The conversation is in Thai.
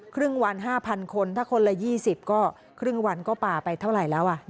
ครึ่งวัน๕๐๐คนถ้าคนละ๒๐ก็ครึ่งวันก็ป่าไปเท่าไหร่แล้ว